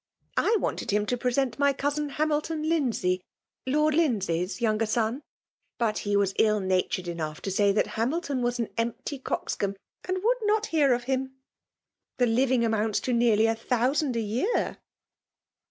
I wanted him to present my cousin Hiimiltdii Lyndsay, Lord L3rndsay's younger son; but he was ill natured enough to say that HamiW tcm was an empty coxcomb, and would notliefcr of him. The living amounts to nearly a^ thousand' a year.